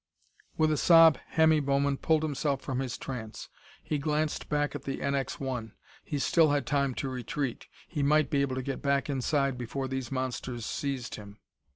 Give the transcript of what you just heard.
With a sob, Hemmy Bowman pulled himself from his trance. He glanced back at the NX 1. He still had time to retreat. He might be able to get back inside before these monsters seized him.